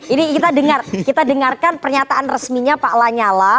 ini kita dengarkan pernyataan resminya pak lanyala